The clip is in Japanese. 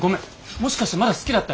もしかしてまだ好きだった？